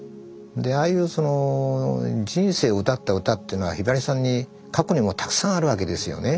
ああいう人生を歌った歌っていうのはひばりさんに過去にもたくさんあるわけですよね。